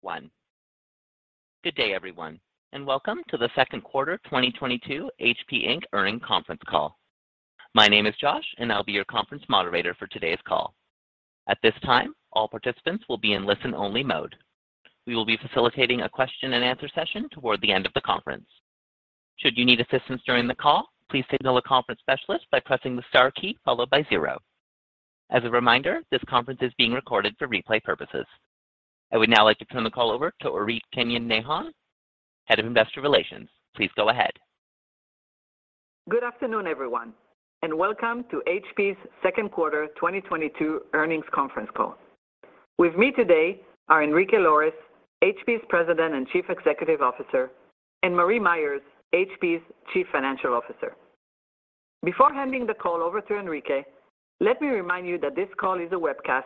One. Good day, everyone, and welcome to the Second Quarter 2022 HP Inc. Earnings Conference Call. My name is Josh, and I'll be your conference moderator for today's call. At this time, all participants will be in listen-only mode. We will be facilitating a question and answer session toward the end of the conference. Should you need assistance during the call, please signal a conference specialist by pressing the star key followed by zero. As a reminder, this conference is being recorded for replay purposes. I would now like to turn the call over to Orit Keinan-Nahon, Head of Investor Relations. Please go ahead. Good afternoon, everyone, and welcome to HP's Second Quarter 2022 Earnings Conference Call. With me today are Enrique Lores, HP's President and Chief Executive Officer, and Marie Myers, HP's Chief Financial Officer. Before handing the call over to Enrique, let me remind you that this call is a webcast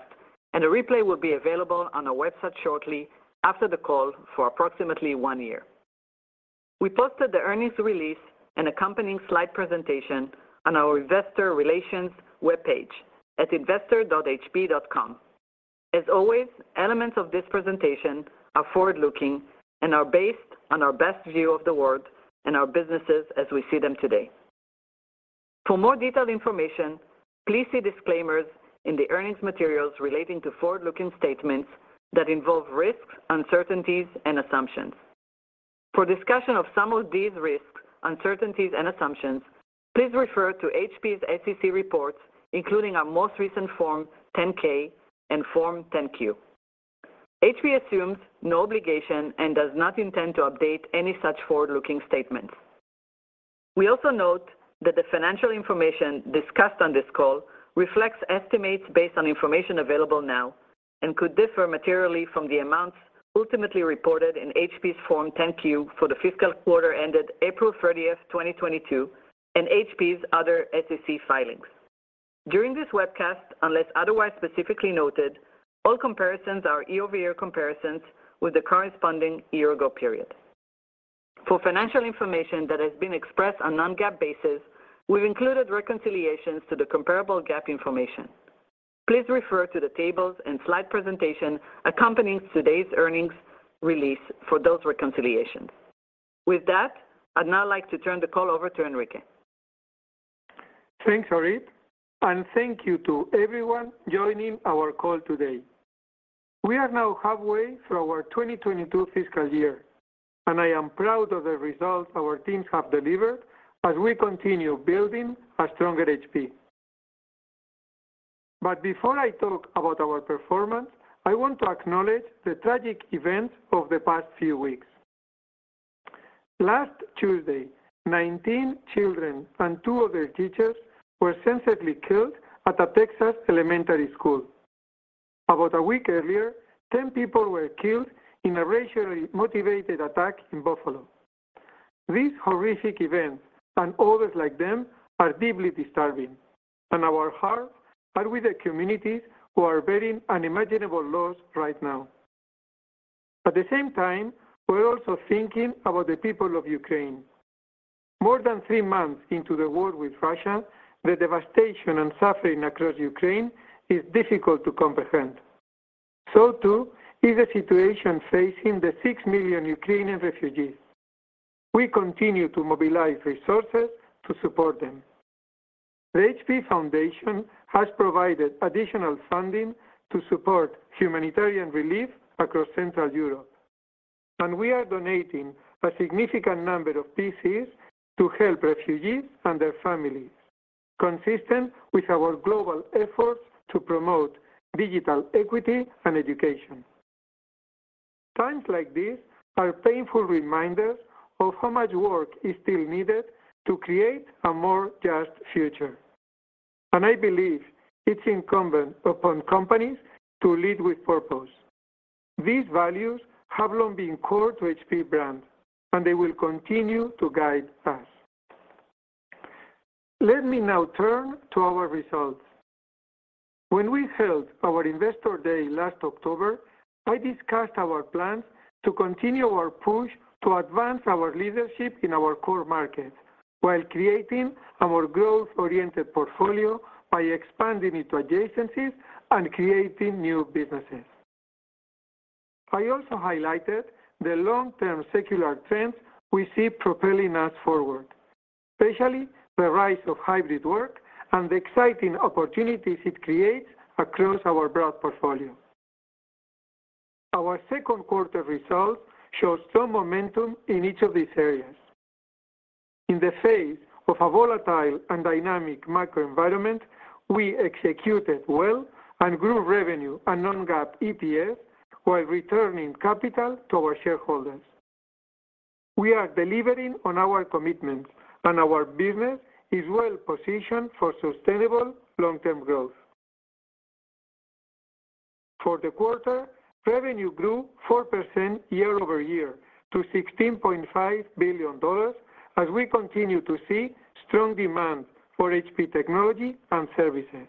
and a replay will be available on our website shortly after the call for approximately one year. We posted the earnings release and accompanying slide presentation on our investor relations webpage at investor.hp.com. As always, elements of this presentation are forward-looking and are based on our best view of the world and our businesses as we see them today. For more detailed information, please see disclaimers in the earnings materials relating to forward-looking statements that involve risks, uncertainties, and assumptions. For discussion of some of these risks, uncertainties, and assumptions, please refer to HP's SEC reports, including our most recent Form 10-K and Form 10-Q. HP assumes no obligation and does not intend to update any such forward-looking statements. We also note that the financial information discussed on this call reflects estimates based on information available now and could differ materially from the amounts ultimately reported in HP's Form 10-Q for the fiscal quarter ended April 30, 2022, and HP's other SEC filings. During this webcast, unless otherwise specifically noted, all comparisons are year-over-year comparisons with the corresponding year-ago period. For financial information that has been expressed on non-GAAP basis, we've included reconciliations to the comparable GAAP information. Please refer to the tables and slide presentation accompanying today's earnings release for those reconciliations. With that, I'd now like to turn the call over to Enrique. Thanks, Orit, and thank you to everyone joining our call today. We are now halfway through our 2022 fiscal year, and I am proud of the results our teams have delivered as we continue building a stronger HP. Before I talk about our performance, I want to acknowledge the tragic events of the past few weeks. Last Tuesday, 19 children and two of their teachers were senselessly killed at a Texas elementary school. About a week earlier, 10 people were killed in a racially motivated attack in Buffalo. These horrific events and others like them are deeply disturbing, and our hearts are with the communities who are bearing unimaginable loss right now. At the same time, we're also thinking about the people of Ukraine. More than three months into the war with Russia, the devastation and suffering across Ukraine is difficult to comprehend. Too is the situation facing the 6 million Ukrainian refugees. We continue to mobilize resources to support them. The HP Foundation has provided additional funding to support humanitarian relief across Central Europe, and we are donating a significant number of PCs to help refugees and their families, consistent with our global efforts to promote digital equity and education. Times like these are painful reminders of how much work is still needed to create a more just future, and I believe it's incumbent upon companies to lead with purpose. These values have long been core to HP brand, and they will continue to guide us. Let me now turn to our results. When we held our Investor Day last October, I discussed our plans to continue our push to advance our leadership in our core markets while creating a more growth-oriented portfolio by expanding into adjacencies and creating new businesses. I also highlighted the long-term secular trends we see propelling us forward, especially the rise of hybrid work and the exciting opportunities it creates across our broad portfolio. Our second quarter results show strong momentum in each of these areas. In the face of a volatile and dynamic macro environment, we executed well and grew revenue and non-GAAP EPS while returning capital to our shareholders. We are delivering on our commitments, and our business is well positioned for sustainable long-term growth. For the quarter, revenue grew 4% year-over-year to $16.5 billion as we continue to see strong demand for HP technology and services.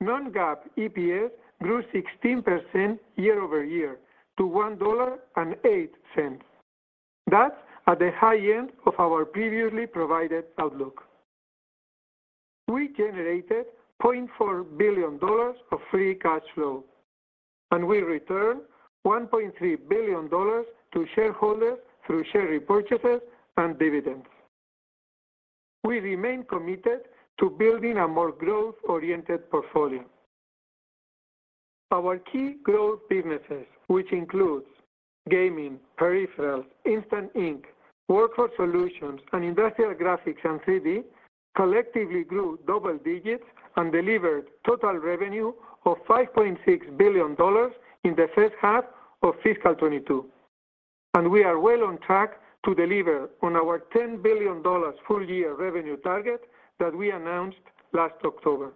Non-GAAP EPS grew 16% year-over-year to $1.08. That's at the high end of our previously provided outlook. We generated $0.4 billion of free cash flow, and we returned $1.3 billion to shareholders through share repurchases and dividends. We remain committed to building a more growth-oriented portfolio. Our key growth businesses, which includes gaming, peripherals, Instant Ink, workflow solutions, and industrial graphics and 3D, collectively grew double digits and delivered total revenue of $5.6 billion in the first half of fiscal 2022. We are well on track to deliver on our $10 billion full-year revenue target that we announced last October.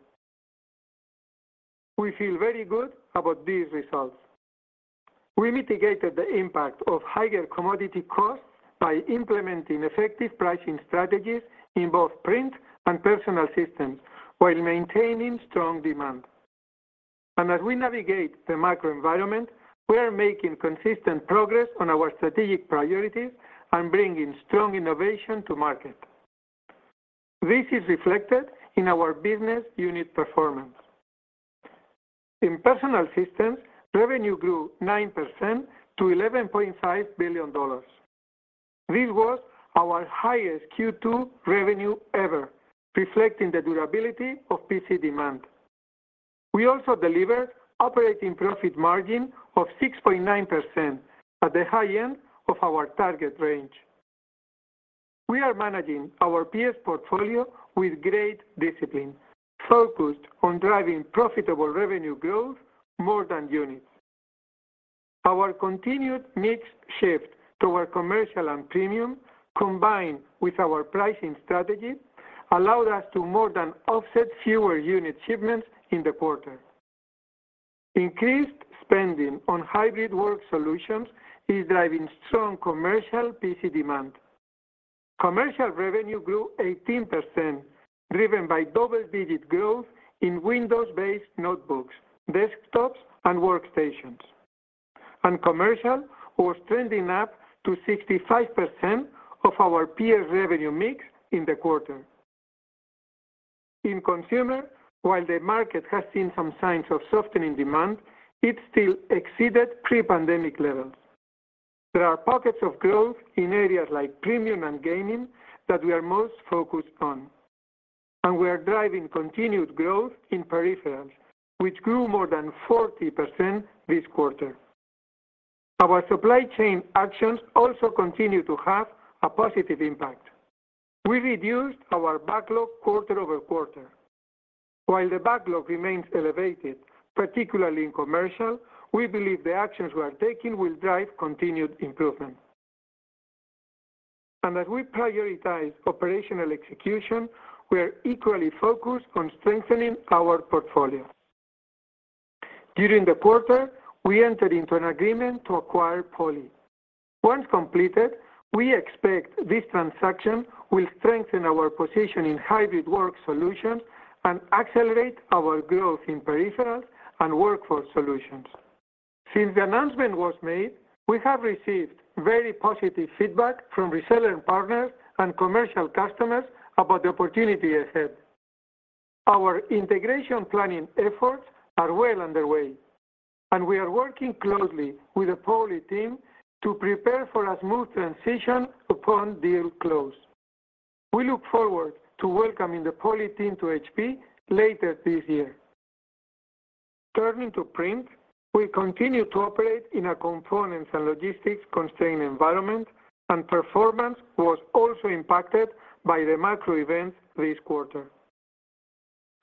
We feel very good about these results. We mitigated the impact of higher commodity costs by implementing effective pricing strategies in both Print and Personal Systems while maintaining strong demand. As we navigate the macro environment, we are making consistent progress on our strategic priorities and bringing strong innovation to market. This is reflected in our business unit performance. In personal systems, revenue grew 9% to $11.5 billion. This was our highest Q2 revenue ever, reflecting the durability of PC demand. We also delivered operating profit margin of 6.9% at the high end of our target range. We are managing our PS portfolio with great discipline, focused on driving profitable revenue growth more than units. Our continued mix shift toward commercial and premium, combined with our pricing strategy, allowed us to more than offset fewer unit shipments in the quarter. Increased spending on hybrid work solutions is driving strong commercial PC demand. Commercial revenue grew 18%, driven by double-digit growth in Windows-based notebooks, desktops, and workstations. Commercial was trending up to 65% of our PS revenue mix in the quarter. In consumer, while the market has seen some signs of softening demand, it still exceeded pre-pandemic levels. There are pockets of growth in areas like premium and gaming that we are most focused on, and we are driving continued growth in peripherals, which grew more than 40% this quarter. Our supply chain actions also continue to have a positive impact. We reduced our backlog quarter-over-quarter. While the backlog remains elevated, particularly in commercial, we believe the actions we are taking will drive continued improvement. As we prioritize operational execution, we are equally focused on strengthening our portfolio. During the quarter, we entered into an agreement to acquire Poly. Once completed, we expect this transaction will strengthen our position in hybrid work solutions and accelerate our growth in peripherals and workforce solutions. Since the announcement was made, we have received very positive feedback from reseller partners and commercial customers about the opportunity ahead. Our integration planning efforts are well underway, and we are working closely with the Poly team to prepare for a smooth transition upon deal close. We look forward to welcoming the Poly team to HP later this year. Turning to print, we continue to operate in a components and logistics constrained environment, and performance was also impacted by the macro events this quarter.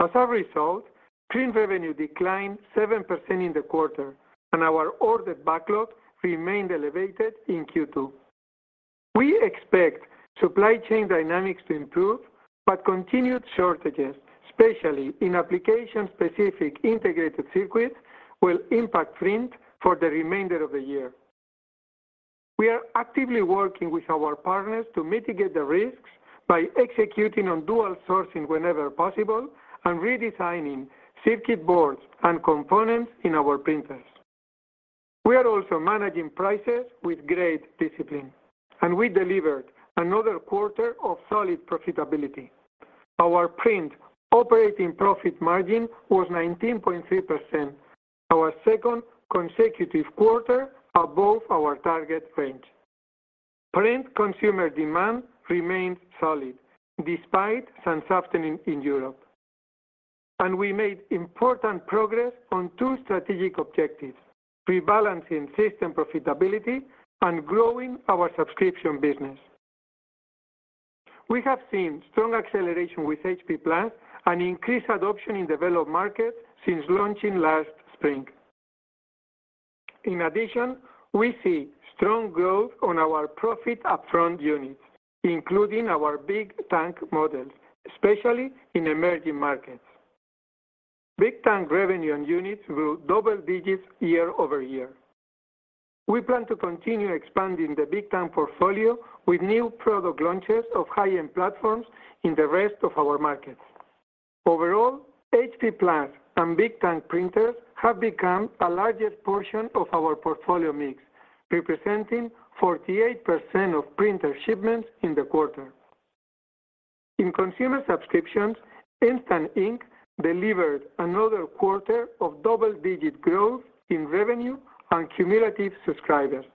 As a result, print revenue declined 7% in the quarter and our ordered backlog remained elevated in Q2. We expect supply chain dynamics to improve, but continued shortages, especially in application-specific integrated circuits, will impact print for the remainder of the year. We are actively working with our partners to mitigate the risks by executing on dual sourcing whenever possible and redesigning circuit boards and components in our printers. We are also managing prices with great discipline, and we delivered another quarter of solid profitability. Our Print operating profit margin was 19.3%, our second consecutive quarter above our target range. Print consumer demand remained solid despite some softening in Europe. We made important progress on two strategic objectives, rebalancing system profitability and growing our subscription business. We have seen strong acceleration with HP+ and increased adoption in developed markets since launching last spring. In addition, we see strong growth on our Smart Tank units, including our Smart Tank models, especially in emerging markets. Smart Tank revenue and units grew double digits year-over-year. We plan to continue expanding the Smart Tank portfolio with new product launches of high-end platforms in the rest of our markets. Overall, HP+ and Smart Tank printers have become the largest portion of our portfolio mix, representing 48% of printer shipments in the quarter. In consumer subscriptions, Instant Ink delivered another quarter of double-digit growth in revenue and cumulative subscribers.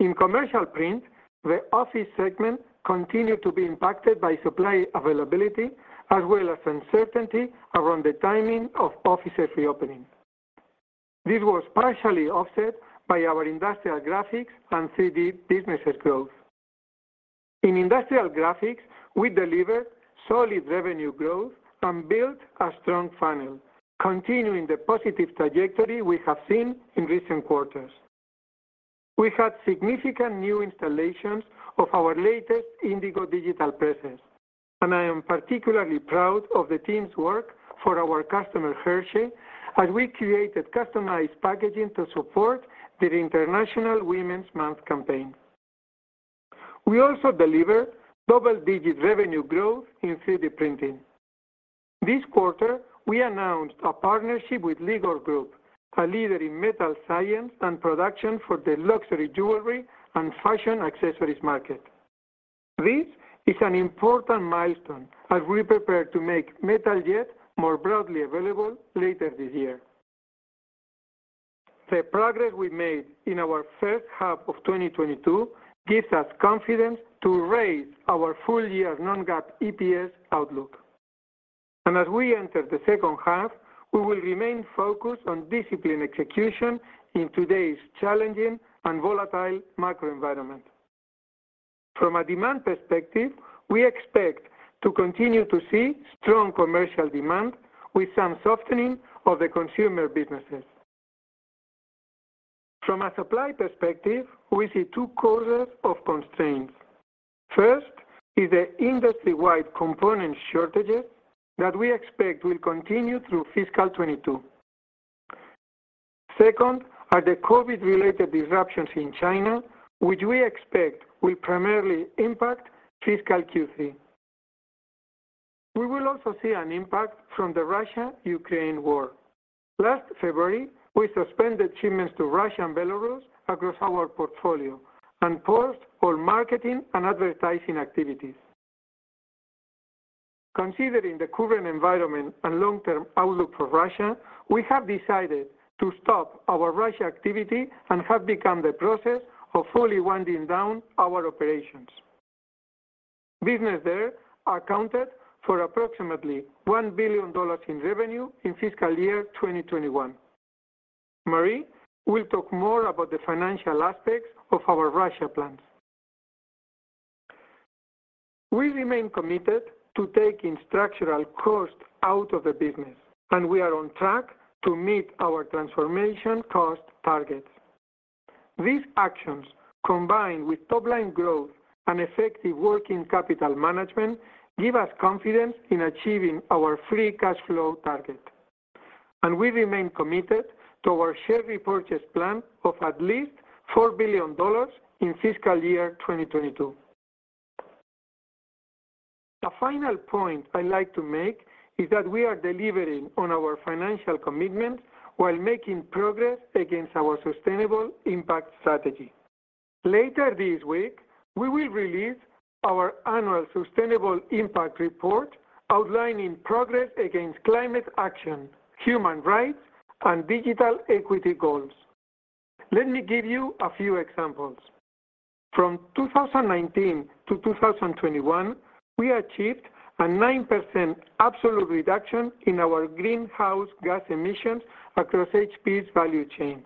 In commercial print, the office segment continued to be impacted by supply availability as well as uncertainty around the timing of offices reopening. This was partially offset by our industrial graphics and 3D businesses' growth. In industrial graphics, we delivered solid revenue growth and built a strong funnel, continuing the positive trajectory we have seen in recent quarters. We had significant new installations of our latest Indigo digital presses, and I am particularly proud of the team's work for our customer, Hershey, as we created customized packaging to support the International Women's Month campaign. We also delivered double-digit revenue growth in 3D printing. This quarter, we announced a partnership with Legor Group, a leader in metal science and production for the luxury jewelry and fashion accessories market. This is an important milestone as we prepare to make Metal Jet more broadly available later this year. The progress we made in our first half of 2022 gives us confidence to raise our full year non-GAAP EPS outlook. As we enter the second half, we will remain focused on disciplined execution in today's challenging and volatile macro environment. From a demand perspective, we expect to continue to see strong commercial demand with some softening of the consumer businesses. From a supply perspective, we see two causes of constraints. First is the industry-wide component shortages that we expect will continue through fiscal 22. Second are the COVID-related disruptions in China, which we expect will primarily impact fiscal Q3. We will also see an impact from the Russia-Ukraine war. Last February, we suspended shipments to Russia and Belarus across our portfolio and paused all marketing and advertising activities. Considering the current environment and long-term outlook for Russia, we have decided to stop our Russia activity and have begun the process of fully winding down our operations. Business there accounted for approximately $1 billion in revenue in fiscal year 2021. Marie will talk more about the financial aspects of our Russia plans. We remain committed to taking structural cost out of the business, and we are on track to meet our transformation cost targets. These actions, combined with top-line growth and effective working capital management, give us confidence in achieving our free cash flow target. We remain committed to our share repurchase plan of at least $4 billion in fiscal year 2022. The final point I'd like to make is that we are delivering on our financial commitments while making progress against our sustainable impact strategy. Later this week, we will release our annual sustainable impact report outlining progress against climate action, human rights, and digital equity goals. Let me give you a few examples. From 2019 to 2021, we achieved a 9% absolute reduction in our greenhouse gas emissions across HP's value chain.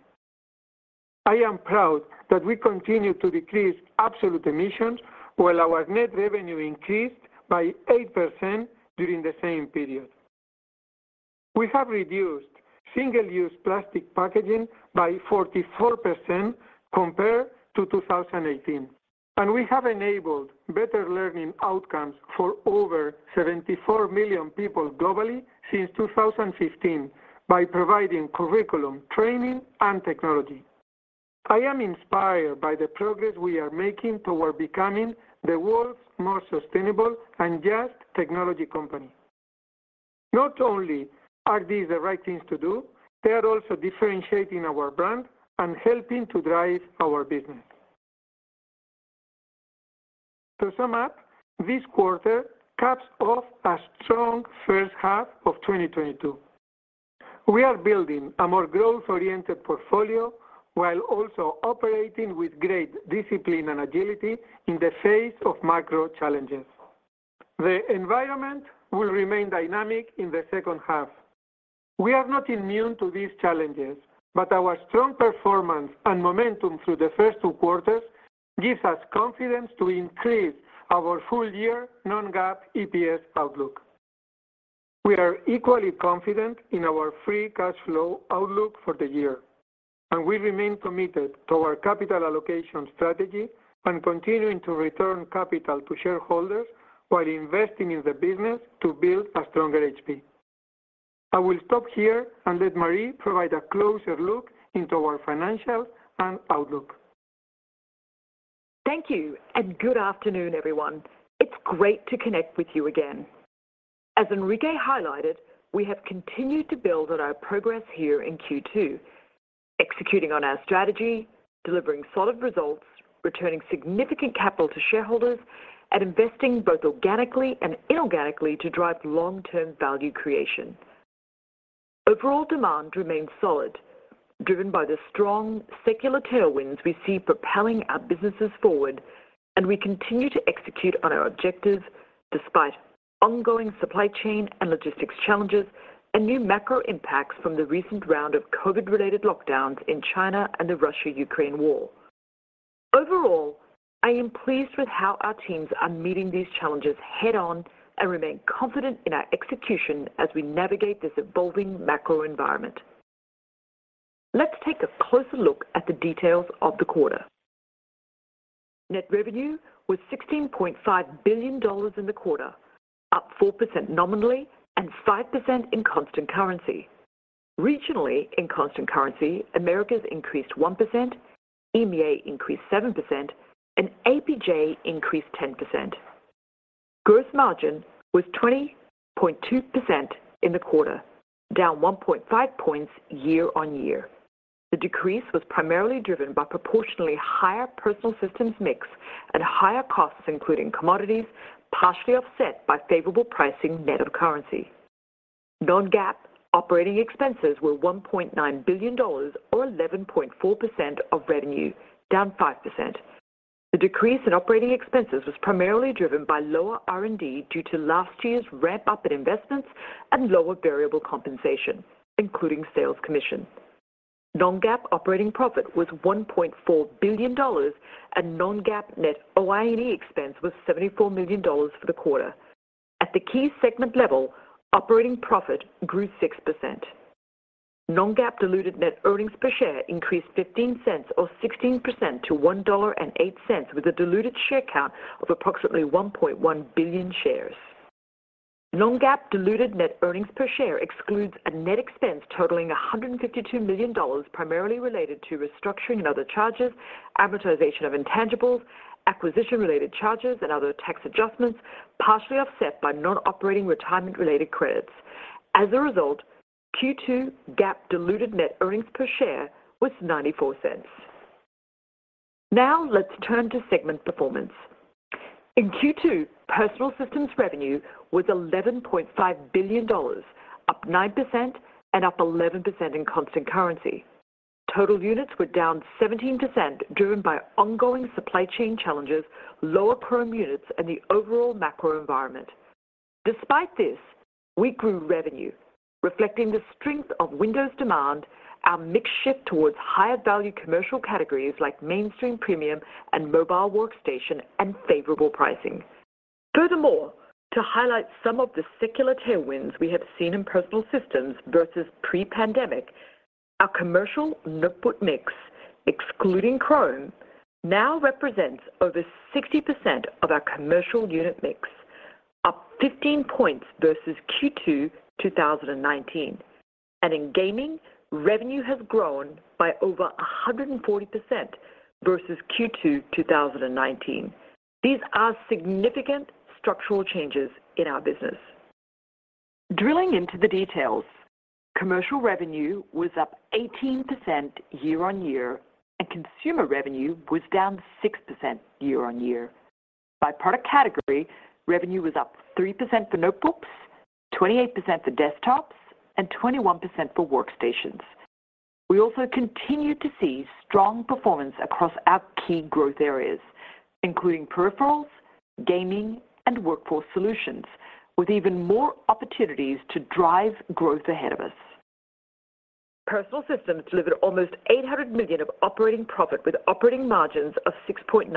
I am proud that we continue to decrease absolute emissions while our net revenue increased by 8% during the same period. We have reduced single-use plastic packaging by 44% compared to 2018, and we have enabled better learning outcomes for over 74 million people globally since 2015 by providing curriculum, training, and technology. I am inspired by the progress we are making toward becoming the world's more sustainable and just technology company. Not only are these the right things to do, they are also differentiating our brand and helping to drive our business. To sum up, this quarter caps off a strong first half of 2022. We are building a more growth-oriented portfolio while also operating with great discipline and agility in the face of macro challenges. The environment will remain dynamic in the second half. We are not immune to these challenges, but our strong performance and momentum through the first two quarters gives us confidence to increase our full year non-GAAP EPS outlook. We are equally confident in our free cash flow outlook for the year, and we remain committed to our capital allocation strategy and continuing to return capital to shareholders while investing in the business to build a stronger HP. I will stop here and let Marie provide a closer look into our financials and outlook. Thank you and good afternoon, everyone. It's great to connect with you again. As Enrique highlighted, we have continued to build on our progress here in Q2, executing on our strategy, delivering solid results, returning significant capital to shareholders, and investing both organically and inorganically to drive long-term value creation. Overall demand remains solid, driven by the strong secular tailwinds we see propelling our businesses forward, and we continue to execute on our objectives despite ongoing supply chain and logistics challenges and new macro impacts from the recent round of COVID-related lockdowns in China and the Russia-Ukraine war. Overall, I am pleased with how our teams are meeting these challenges head-on and remain confident in our execution as we navigate this evolving macro environment. Let's take a closer look at the details of the quarter. Net revenue was $1.65 billion in the quarter, up 4% nominally and 5% in constant currency. Regionally, in constant currency, Americas increased 1%, EMEA increased 7%, and APJ increased 10%. Gross margin was 20.2% in the quarter, down 1.5 points year-on-year. The decrease was primarily driven by proportionally higher personal systems mix and higher costs, including commodities, partially offset by favorable pricing net of currency. Non-GAAP operating expenses were $1.9 billion or 11.4% of revenue, down 5%. The decrease in operating expenses was primarily driven by lower R&D due to last year's ramp-up in investments and lower variable compensation, including sales commissions. Non-GAAP operating profit was $1.4 billion, and non-GAAP net OIE expense was $74 million for the quarter. At the key segment level, operating profit grew 6%. Non-GAAP diluted net earnings per share increased $0.15 or 16% to $1.08 with a diluted share count of approximately 1.1 billion shares. Non-GAAP diluted net earnings per share excludes a net expense totaling $152 million, primarily related to restructuring and other charges, amortization of intangibles, acquisition-related charges, and other tax adjustments, partially offset by non-operating retirement-related credits. As a result, Q2 GAAP diluted net earnings per share was $0.94. Now let's turn to segment performance. In Q2, Personal Systems revenue was $11.5 billion, up 9% and up 11% in constant currency. Total units were down 17%, driven by ongoing supply chain challenges, lower premium units, and the overall macro environment. Despite this, we grew revenue, reflecting the strength of Windows demand, our mix shift towards higher value commercial categories like mainstream premium and mobile workstation and favorable pricing. Furthermore, to highlight some of the secular tailwinds we have seen in Personal Systems versus pre-pandemic, our commercial notebook mix, excluding Chrome, now represents over 60% of our commercial unit mix, up 15 points versus Q2 2019. In gaming, revenue has grown by over 140% versus Q2 2019. These are significant structural changes in our business. Drilling into the details, commercial revenue was up 18% year-on-year, and consumer revenue was down 6% year-on-year. By product category, revenue was up 3% for notebooks, 28% for desktops, and 21% for workstations. We also continued to see strong performance across our key growth areas, including peripherals, gaming, and workforce solutions, with even more opportunities to drive growth ahead of us. Personal Systems delivered almost $800 million of operating profit with operating margins of 6.9%.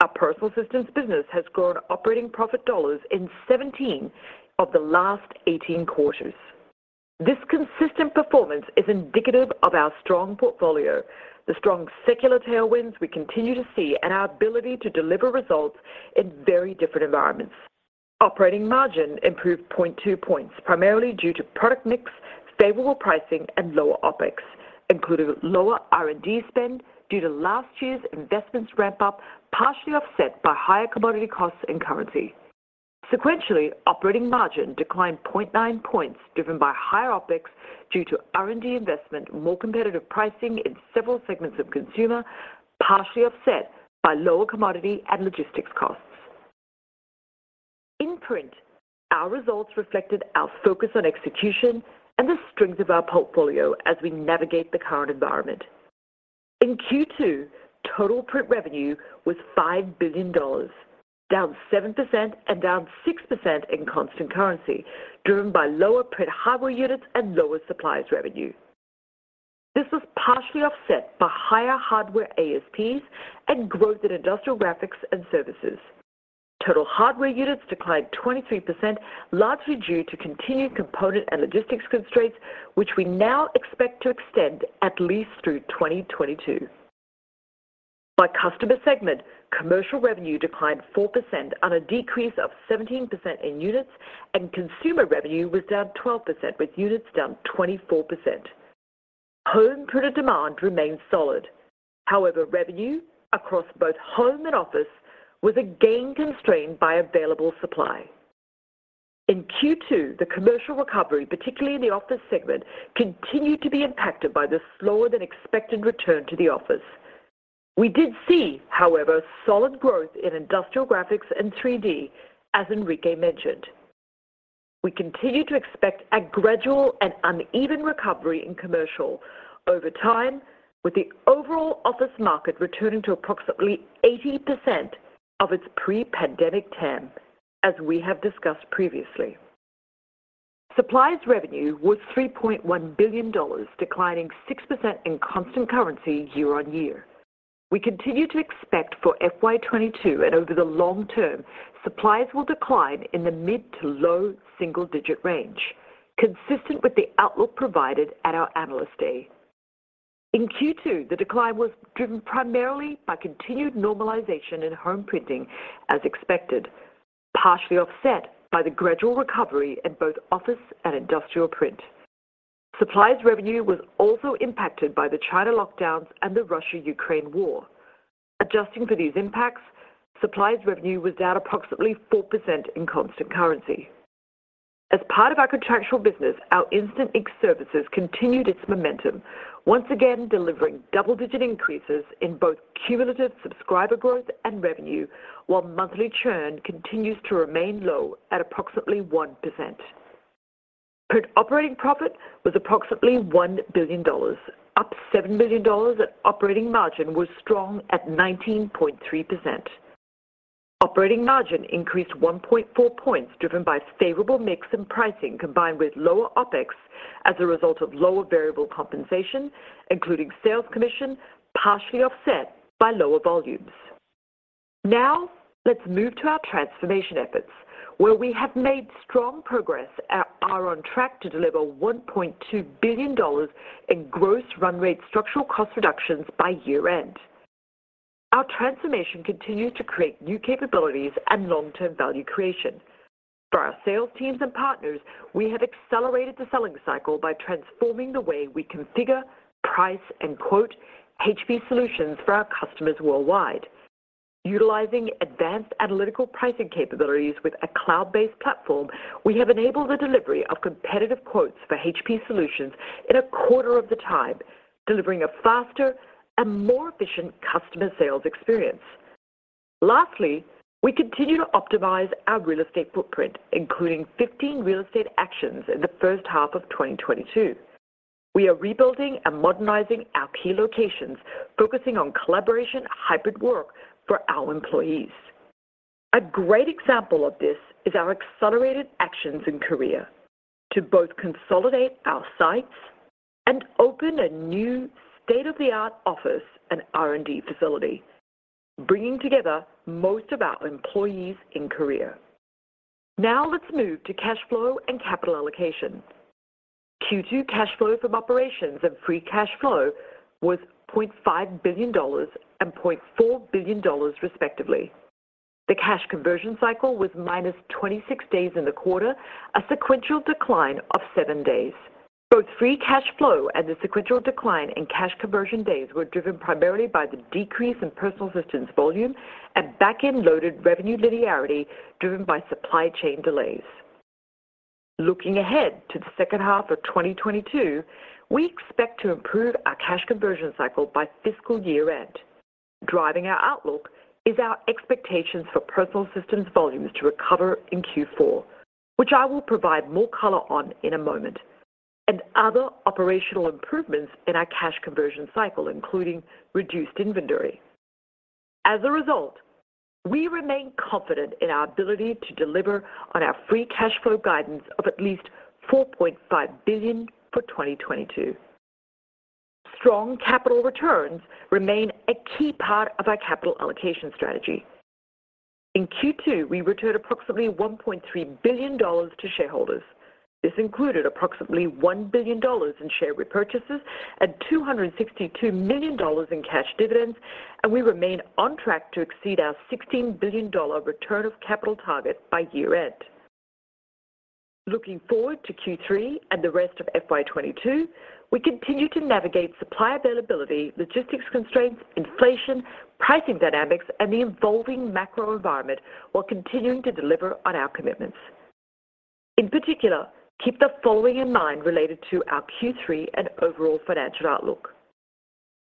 Our Personal Systems business has grown operating profit dollars in 17 of the last 18 quarters. This consistent performance is indicative of our strong portfolio, the strong secular tailwinds we continue to see, and our ability to deliver results in very different environments. Operating margin improved 0.2 points, primarily due to product mix, favorable pricing, and lower OpEx, including lower R&D spend due to last year's investments ramp up, partially offset by higher commodity costs and currency. Sequentially, operating margin declined 0.9 points, driven by higher OpEx due to R&D investment, more competitive pricing in several segments of consumer, partially offset by lower commodity and logistics costs. In Print, our results reflected our focus on execution and the strength of our portfolio as we navigate the current environment. In Q2, total Print revenue was $5 billion, down 7% and down 6% in constant currency, driven by lower Print hardware units and lower supplies revenue. This was partially offset by higher hardware ASPs and growth in industrial graphics and services. Total hardware units declined 23%, largely due to continued component and logistics constraints, which we now expect to extend at least through 2022. By customer segment, commercial revenue declined 4% on a decrease of 17% in units, and consumer revenue was down 12%, with units down 24%. Home printer demand remained solid. However, revenue across both home and office was again constrained by available supply. In Q2, the commercial recovery, particularly in the office segment, continued to be impacted by the slower than expected return to the office. We did see, however, solid growth in industrial graphics and 3D, as Enrique mentioned. We continue to expect a gradual and uneven recovery in commercial over time, with the overall office market returning to approximately 80% of its pre-pandemic TAM, as we have discussed previously. Supplies revenue was $3.1 billion, declining 6% in constant currency year-on-year. We continue to expect for FY22 and over the long term, supplies will decline in the mid- to low-single-digit range, consistent with the outlook provided at our Analyst Day. In Q2, the decline was driven primarily by continued normalization in home printing as expected, partially offset by the gradual recovery in both office and industrial print. Supplies revenue was also impacted by the China lockdowns and the Russia-Ukraine war. Adjusting for these impacts, supplies revenue was down approximately 4% in constant currency. As part of our contractual business, our Instant Ink services continued its momentum, once again delivering double-digit increases in both cumulative subscriber growth and revenue, while monthly churn continues to remain low at approximately 1%. Print operating profit was approximately $1 billion, up $7 million, and operating margin was strong at 19.3%. Operating margin increased 1.4 points driven by favorable mix and pricing, combined with lower OpEx as a result of lower variable compensation, including sales commission, partially offset by lower volumes. Now let's move to our transformation efforts, where we have made strong progress and are on track to deliver $1.2 billion in gross run rate structural cost reductions by year end. Our transformation continues to create new capabilities and long-term value creation. For our sales teams and partners, we have accelerated the selling cycle by transforming the way we configure, price, and quote HP solutions for our customers worldwide. Utilizing advanced analytical pricing capabilities with a cloud-based platform, we have enabled the delivery of competitive quotes for HP solutions in a quarter of the time, delivering a faster and more efficient customer sales experience. Lastly, we continue to optimize our real estate footprint, including 15 real estate actions in the first half of 2022. We are rebuilding and modernizing our key locations, focusing on collaboration hybrid work for our employees. A great example of this is our accelerated actions in Korea to both consolidate our sites and open a new state-of-the-art office and R&D facility, bringing together most of our employees in Korea. Now let's move to cash flow and capital allocation. Q2 cash flow from operations and free cash flow was $0.5 billion and $0.4 billion respectively. The cash conversion cycle was -26 days in the quarter, a sequential decline of seven days. Both free cash flow and the sequential decline in cash conversion days were driven primarily by the decrease in Personal Systems volume and back-end loaded revenue linearity driven by supply chain delays. Looking ahead to the second half of 2022, we expect to improve our cash conversion cycle by fiscal year end. Driving our outlook is our expectations for Personal Systems volumes to recover in Q4, which I will provide more color on in a moment, and other operational improvements in our cash conversion cycle, including reduced inventory. As a result, we remain confident in our ability to deliver on our free cash flow guidance of at least $4.5 billion for 2022. Strong capital returns remain a key part of our capital allocation strategy. In Q2, we returned approximately $1.3 billion to shareholders. This included approximately $1 billion in share repurchases and $262 million in cash dividends, and we remain on track to exceed our $16 billion return of capital target by year end. Looking forward to Q3 and the rest of FY22, we continue to navigate supply availability, logistics constraints, inflation, pricing dynamics, and the evolving macro environment while continuing to deliver on our commitments. In particular, keep the following in mind related to our Q3 and overall financial outlook.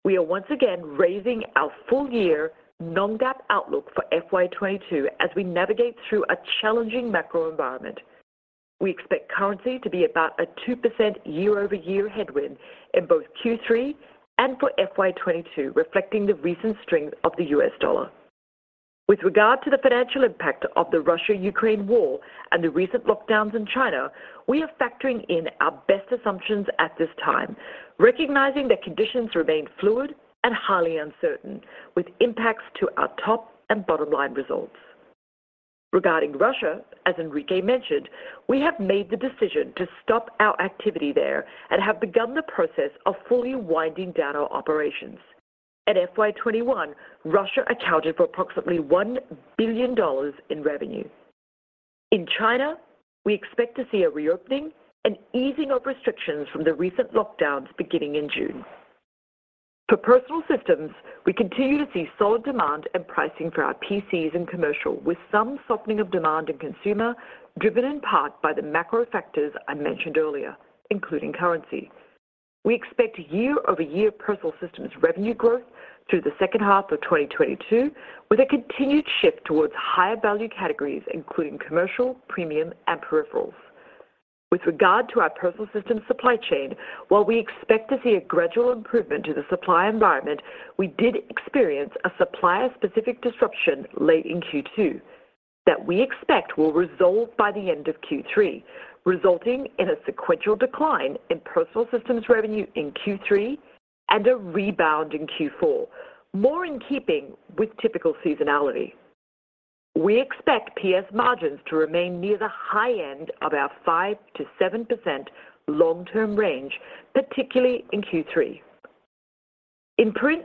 We are once again raising our full year non-GAAP outlook for FY22 as we navigate through a challenging macro environment. We expect currency to be about a 2% year-over-year headwind in both Q3 and for FY22, reflecting the recent strength of the US dollar. With regard to the financial impact of the Russia-Ukraine war and the recent lockdowns in China, we are factoring in our best assumptions at this time, recognizing that conditions remain fluid and highly uncertain, with impacts to our top and bottom line results. Regarding Russia, as Enrique mentioned, we have made the decision to stop our activity there and have begun the process of fully winding down our operations. At FY21, Russia accounted for approximately $1 billion in revenue. In China, we expect to see a reopening and easing of restrictions from the recent lockdowns beginning in June. For personal systems, we continue to see solid demand and pricing for our PCs in commercial, with some softening of demand in consumer, driven in part by the macro factors I mentioned earlier, including currency. We expect year-over-year personal systems revenue growth through the second half of 2022, with a continued shift towards higher value categories, including commercial, premium, and peripherals. With regard to our Personal Systems supply chain, while we expect to see a gradual improvement to the supply environment, we did experience a supplier-specific disruption late in Q2 that we expect will resolve by the end of Q3, resulting in a sequential decline in Personal Systems revenue in Q3 and a rebound in Q4. More in keeping with typical seasonality. We expect PS margins to remain near the high end of our 5%-7% long-term range, particularly in Q3. In Print,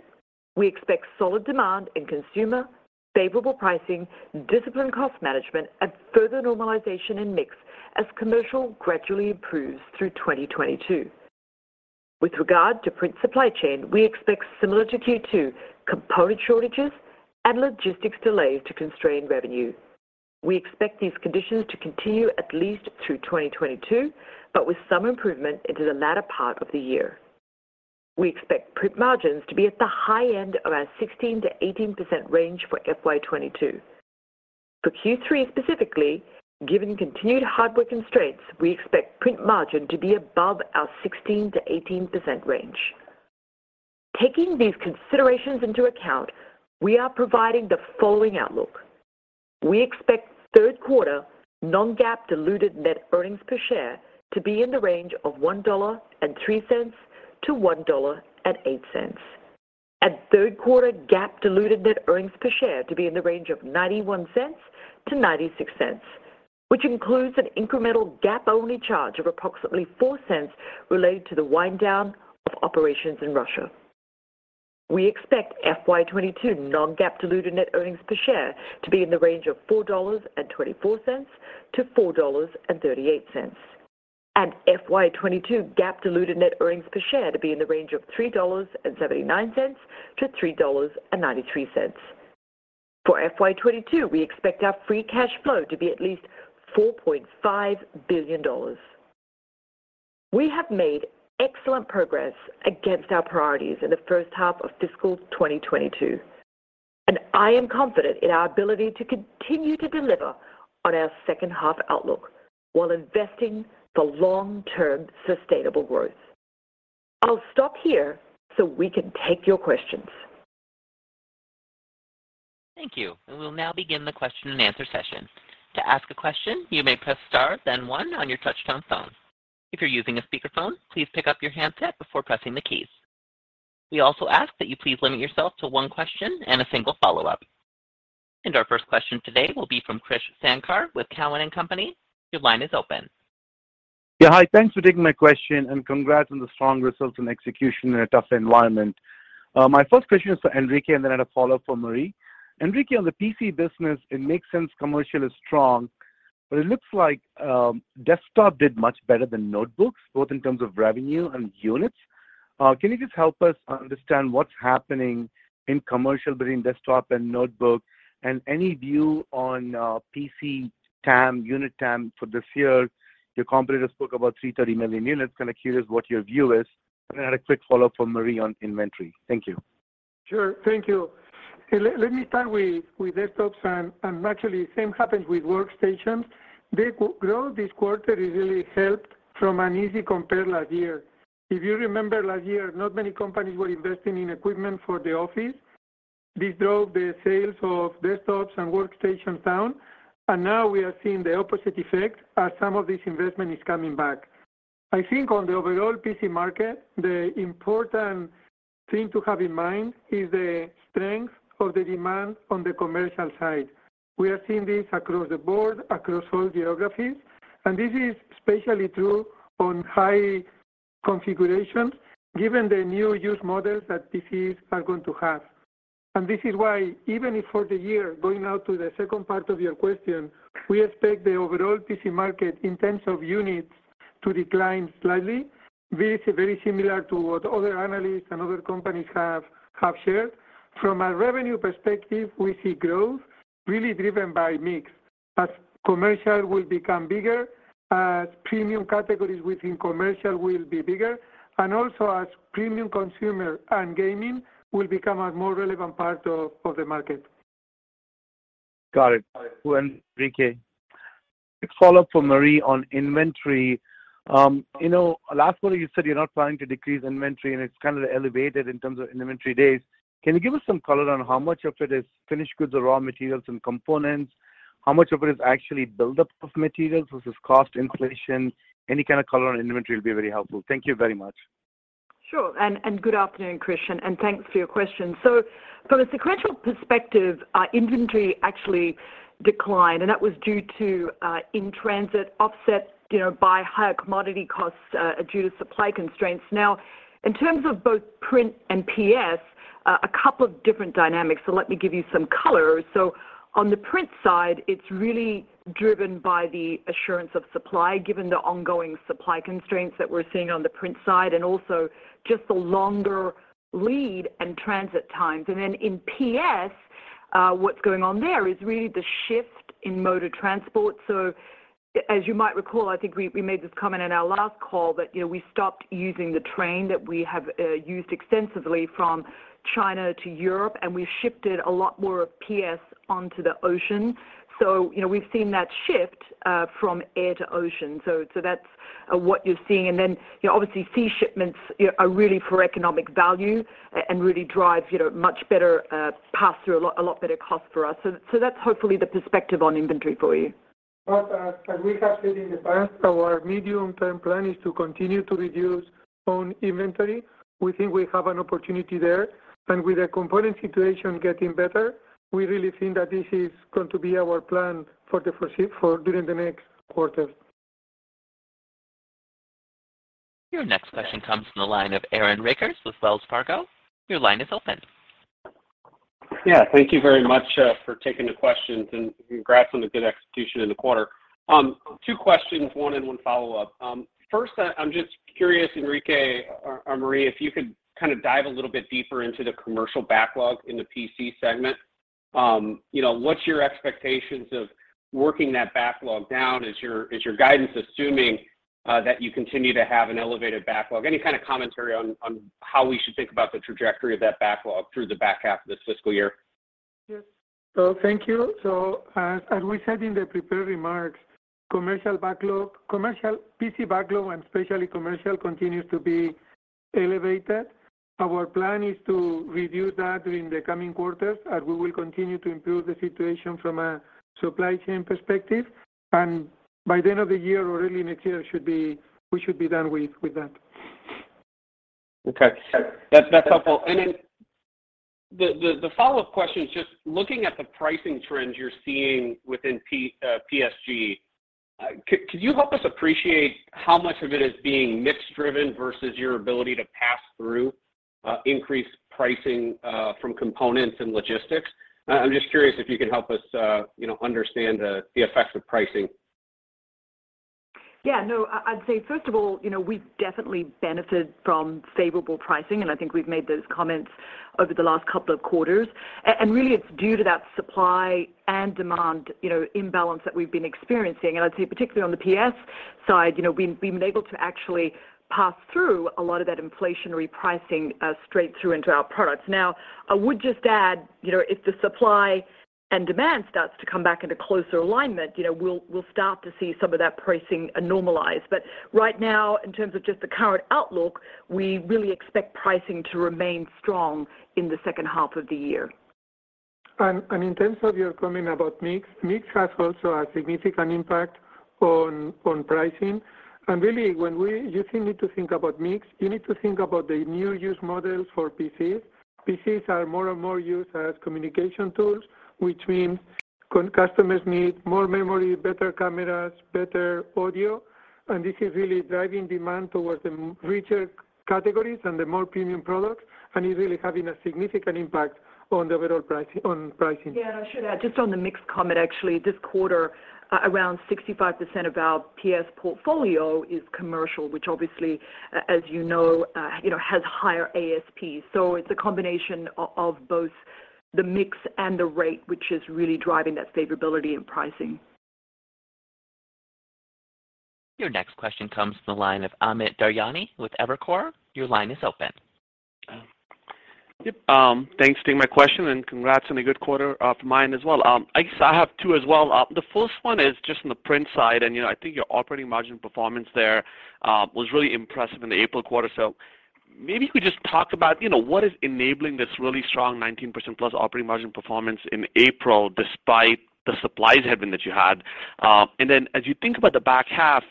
we expect solid demand in consumer, favorable pricing, disciplined cost management, and further normalization in mix as commercial gradually improves through 2022. With regard to Print supply chain, we expect similar to Q2, component shortages and logistics delays to constrain revenue. We expect these conditions to continue at least through 2022, but with some improvement into the latter part of the year. We expect print margins to be at the high end of our 16%-18% range for FY22. For Q3 specifically, given continued hardware constraints, we expect print margin to be above our 16%-18% range. Taking these considerations into account, we are providing the following outlook. We expect third quarter non-GAAP diluted net earnings per share to be in the range of $1.03-$1.08. At third quarter, GAAP diluted net earnings per share to be in the range of $0.91-$0.96, which includes an incremental GAAP-only charge of approximately $0.04 related to the wind down of operations in Russia. We expect FY22 non-GAAP diluted net earnings per share to be in the range of $4.24-$4.38. FY 2022 GAAP diluted net earnings per share to be in the range of $3.79-$3.93. For FY 2022, we expect our free cash flow to be at least $4.5 billion. We have made excellent progress against our priorities in the first half of fiscal 2022, and I am confident in our ability to continue to deliver on our second half outlook while investing for long-term sustainable growth. I'll stop here so we can take your questions. Thank you. We will now begin the question and answer session. To ask a question, you may press star then one on your touchtone phone. If you're using a speakerphone, please pick up your handset before pressing the keys. We also ask that you please limit yourself to one question and a single follow-up. Our first question today will be from Krish Sankar with Cowen and Company. Your line is open. Yeah, hi, thanks for taking my question, and congrats on the strong results and execution in a tough environment. My first question is for Enrique, and then I had a follow-up for Marie. Enrique, on the PC business, it makes sense commercial is strong, but it looks like desktop did much better than notebooks, both in terms of revenue and units. Can you just help us understand what's happening in commercial between desktop and notebook, and any view on PC TAM, unit TAM for this year? Your competitors spoke about 330 million units. Kinda curious what your view is. I had a quick follow-up for Marie on inventory. Thank you. Sure. Thank you. Let me start with desktops and actually same happens with workstations. The growth this quarter is really helped from an easy compare last year. If you remember last year, not many companies were investing in equipment for the office. This drove the sales of desktops and workstations down, and now we are seeing the opposite effect as some of this investment is coming back. I think on the overall PC market, the important thing to have in mind is the strength of the demand on the commercial side. We are seeing this across the board, across all geographies, and this is especially true on high configurations given the new use models that PCs are going to have. This is why even if for the year, going now to the second part of your question, we expect the overall PC market in terms of units to decline slightly, which is very similar to what other analysts and other companies have shared. From a revenue perspective, we see growth really driven by mix. As commercial will become bigger, as premium categories within commercial will be bigger, and also as premium consumer and gaming will become a more relevant part of the market. Got it. Cool, Enrique. A follow-up for Marie on inventory. You know, last quarter you said you're not planning to decrease inventory and it's kind of elevated in terms of inventory days. Can you give us some color on how much of it is finished goods or raw materials and components? How much of it is actually buildup of materials versus cost inflation? Any kind of color on inventory will be very helpful. Thank you very much. Sure. Good afternoon, Krish, and thanks for your question. From a sequential perspective, our inventory actually declined, and that was due to in-transit offset, you know, by higher commodity costs due to supply constraints. Now, in terms of both print and PS couple of different dynamics. Let me give you some color. On the print side, it's really driven by the assurance of supply, given the ongoing supply constraints that we're seeing on the print side, and also just the longer lead and transit times. In PS, what's going on there is really the shift in modal transport. As you might recall, I think we made this comment in our last call that, you know, we stopped using the train that we have used extensively from China to Europe, and we shifted a lot more of PS onto the ocean. You know, we've seen that shift from air to ocean. That's what you're seeing. Then, you know, obviously, sea shipments, you know, are really for economic value and really drive, you know, much better pass through, a lot better cost for us. That's hopefully the perspective on inventory for you. As we have said in the past, our medium-term plan is to continue to reduce own inventory. We think we have an opportunity there. With the component situation getting better, we really think that this is going to be our plan for during the next quarter. Your next question comes from the line of Aaron Rakers with Wells Fargo. Your line is open. Yeah. Thank you very much for taking the questions, and congrats on the good execution in the quarter. Two questions, one and one follow-up. First, I'm just curious, Enrique or Marie, if you could kind of dive a little bit deeper into the commercial backlog in the PC segment. You know, what's your expectations of working that backlog down? Is your guidance assuming that you continue to have an elevated backlog? Any kind of commentary on how we should think about the trajectory of that backlog through the back half of this fiscal year? Yes. Thank you. As we said in the prepared remarks, commercial PC backlog and especially commercial continues to be elevated. Our plan is to review that during the coming quarters, and we will continue to improve the situation from a supply chain perspective. By the end of the year or really next year we should be done with that. Okay. That's helpful. The follow-up question is just looking at the pricing trends you're seeing within PSG. Could you help us appreciate how much of it is being mix driven versus your ability to pass through increased pricing from components and logistics? I'm just curious if you can help us, you know, understand the effects of pricing. Yeah, no, I'd say, first of all, you know, we've definitely benefited from favorable pricing, and I think we've made those comments over the last couple of quarters. Really it's due to that supply and demand, you know, imbalance that we've been experiencing. I'd say particularly on the PS side, you know, we've been able to actually pass through a lot of that inflationary pricing straight through into our products. Now, I would just add, you know, if the supply and demand starts to come back into closer alignment, you know, we'll start to see some of that pricing normalize. Right now, in terms of just the current outlook, we really expect pricing to remain strong in the second half of the year. In terms of your comment about mix has also a significant impact on pricing. You still need to think about mix. You need to think about the new use models for PCs. PCs are more and more used as communication tools, which means customers need more memory, better cameras, better audio, and this is really driving demand towards the richer categories and the more premium products, and is really having a significant impact on the overall pricing. Yeah, I should add just on the mix comment, actually, this quarter, around 65% of our PS portfolio is commercial, which obviously, as you know, has higher ASPs. It's a combination of both the mix and the rate, which is really driving that favorability and pricing. Your next question comes from the line of Amit Daryanani with Evercore. Your line is open. Yep. Thanks for taking my question, and congrats on a good quarter for mine as well. I guess I have two as well. The first one is just on the print side, and, you know, I think your operating margin performance there was really impressive in the April quarter. So maybe you could just talk about, you know, what is enabling this really strong 19%+ operating margin performance in April despite the supplies headwind that you had. And then as you think about the back half,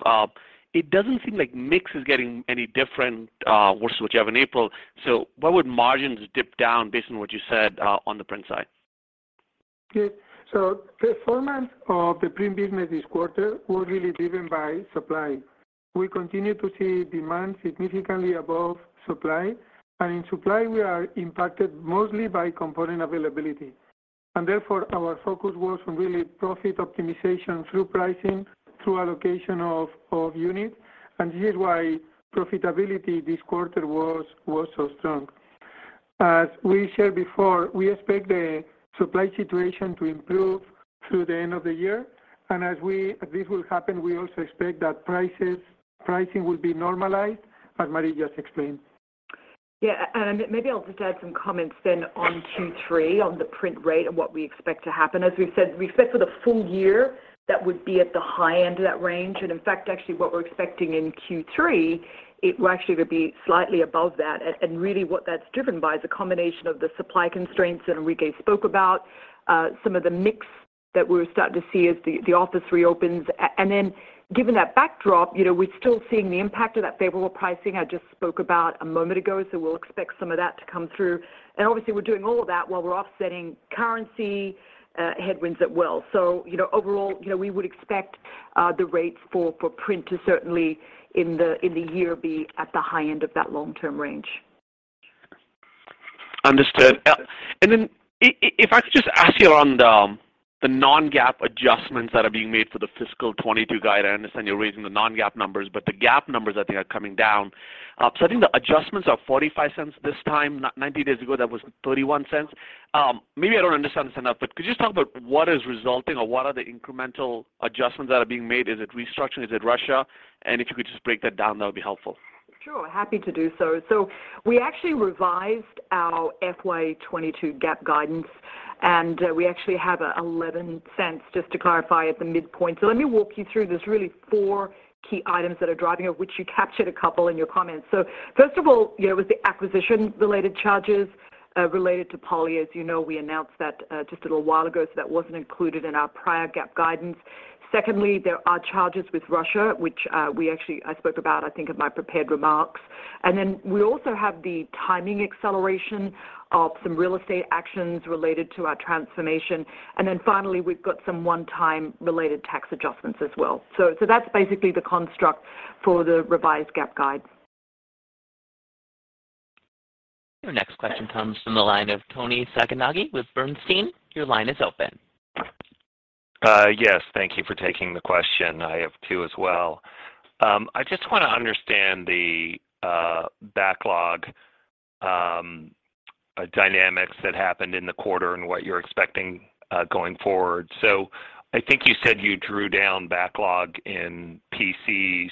it doesn't seem like mix is getting any different versus what you have in April. So why would margins dip down based on what you said on the print side? Yeah. Performance of the print business this quarter was really driven by supply. We continue to see demand significantly above supply, and in supply we are impacted mostly by component availability. Therefore, our focus was on really profit optimization through pricing, through allocation of units, and this is why profitability this quarter was so strong. As we said before, we expect the supply situation to improve through the end of the year. This will happen, we also expect that prices, pricing will be normalized, as Marie just explained. Yeah. Maybe I'll just add some comments then on Q3, on the print rate and what we expect to happen. As we've said, we expect for the full year that would be at the high end of that range. In fact, actually what we're expecting in Q3, it will actually be slightly above that. Really what that's driven by is a combination of the supply constraints that Enrique spoke about, some of the mix that we're starting to see as the office reopens. Given that backdrop, you know, we're still seeing the impact of that favorable pricing I just spoke about a moment ago, so we'll expect some of that to come through. Obviously we're doing all of that while we're offsetting currency headwinds as well. You know, overall, you know, we would expect the rates for print to certainly in the year be at the high end of that long-term range. Understood. If I could just ask you about the non-GAAP adjustments that are being made for the fiscal 2022 guide. I understand you're raising the non-GAAP numbers, but the GAAP numbers I think are coming down. I think the adjustments are $0.45 this time. 90 days ago, that was $0.31. Maybe I don't understand this enough, but could you just talk about what is resulting or what are the incremental adjustments that are being made? Is it restructuring? Is it Russia? If you could just break that down, that would be helpful. Sure. Happy to do so. We actually revised our FY 2022 GAAP guidance, and we actually have $0.11 just to clarify at the midpoint. Let me walk you through. There's really four key items that are driving it, which you captured a couple in your comments. First of all, you know, it was the acquisition-related charges related to Poly. As you know, we announced that just a little while ago, so that wasn't included in our prior GAAP guidance. Secondly, there are charges with Russia, which I spoke about, I think, in my prepared remarks. We also have the timing acceleration of some real estate actions related to our transformation. Finally, we've got some one-time related tax adjustments as well. That's basically the construct for the revised GAAP guide. Your next question comes from the line of Toni Sacconaghi with Bernstein. Your line is open. Yes. Thank you for taking the question. I have two as well. I just wanna understand the backlog dynamics that happened in the quarter and what you're expecting going forward. I think you said you drew down backlog in PCs.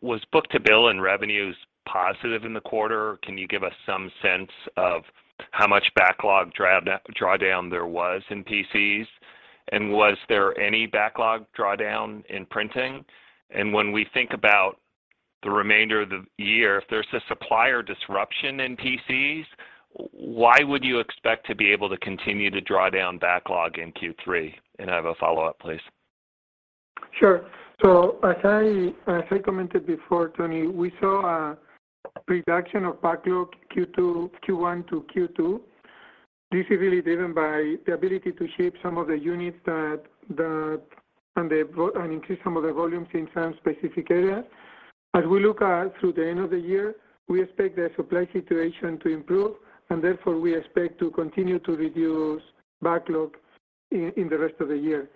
Was book to bill in revenues positive in the quarter? Can you give us some sense of how much backlog drawdown there was in PCs? Was there any backlog drawdown in printing? When we think about the remainder of the year, if there's a supplier disruption in PCs, why would you expect to be able to continue to draw down backlog in Q3? I have a follow-up, please. Sure. As I commented before, Toni, we saw a reduction of backlog Q1-Q2. This is really driven by the ability to ship some of the units and increase some of the volumes in some specific areas. As we look through the end of the year, we expect the supply situation to improve, and therefore, we expect to continue to reduce backlog in the rest of the year.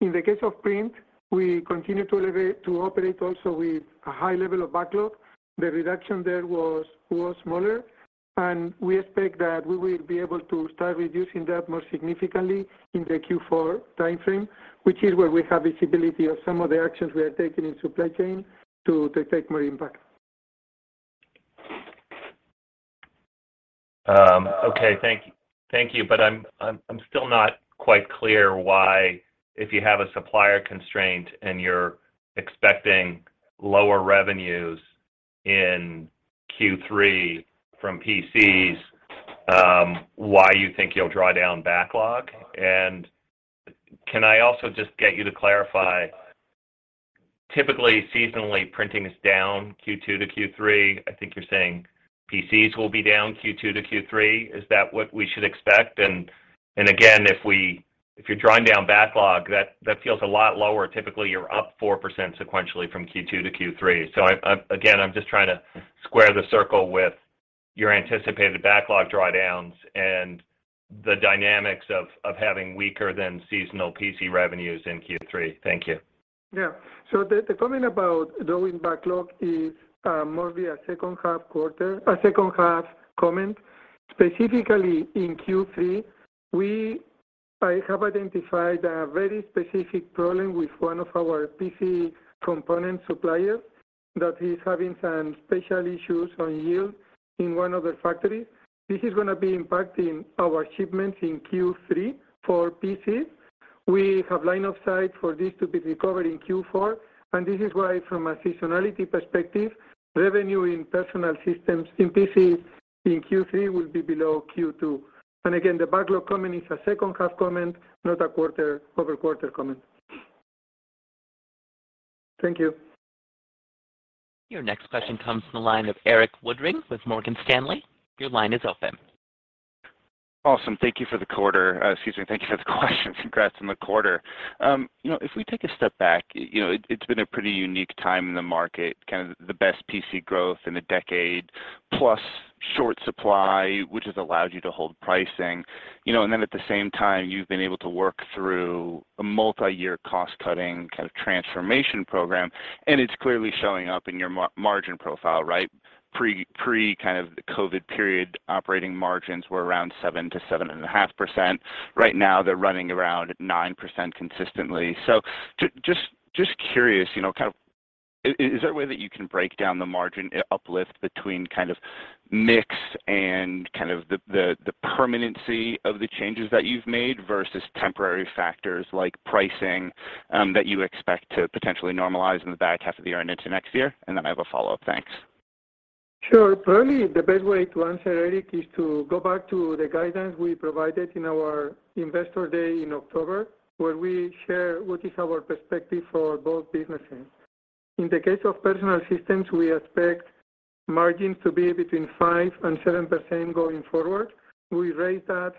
In the case of print, we continue to operate also with a high level of backlog. The reduction there was smaller, and we expect that we will be able to start reducing that more significantly in the Q4 timeframe, which is where we have visibility of some of the actions we are taking in supply chain to have more impact. Okay. Thank you. I'm still not quite clear why if you have a supplier constraint and you're expecting lower revenues in Q3 from PCs, why you think you'll draw down backlog. Can I also just get you to clarify, typically, seasonally, printing is down Q2 to Q3. I think you're saying PCs will be down Q2 to Q3. Is that what we should expect? Again, if you're drawing down backlog, that feels a lot lower. Typically, you're up 4% sequentially from Q2 to Q3. I'm again just trying to square the circle with your anticipated backlog drawdowns and the dynamics of having weaker than seasonal PC revenues in Q3. Thank you. Yeah. The comment about drawing backlog is more of a second half quarter, a second half comment. Specifically in Q3, I have identified a very specific problem with one of our PC component suppliers that is having some special issues on yield in one of their factories. This is gonna be impacting our shipments in Q3 for PCs. We have line of sight for this to be recovered in Q4, and this is why from a seasonality perspective, revenue in personal systems in PCs in Q3 will be below Q2. Again, the backlog comment is a second half comment, not a quarter-over-quarter comment. Thank you. Your next question comes from the line of Erik Woodring with Morgan Stanley. Your line is open. Awesome. Thank you for the quarter. Excuse me, thank you for the question. Congrats on the quarter. You know, if we take a step back, you know, it's been a pretty unique time in the market, kind of the best PC growth in a decade, plus short supply, which has allowed you to hold pricing, you know. At the same time, you've been able to work through a multi-year cost-cutting kind of transformation program, and it's clearly showing up in your margin profile, right? Pre-COVID period operating margins were around 7%-7.5%. Right now they're running around 9% consistently. Just curious, you know, kind of is there a way that you can break down the margin uplift between kind of mix and kind of the permanency of the changes that you've made versus temporary factors like pricing that you expect to potentially normalize in the back half of the year and into next year? Then I have a follow-up. Thanks. Sure. Probably the best way to answer, Erik, is to go back to the guidance we provided in our Investor Day in October, where we share what is our perspective for both businesses. In the case of Personal Systems, we expect margins to be between 5% and 7% going forward. We raised that